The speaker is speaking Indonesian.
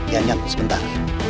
ya nyantuk sebentar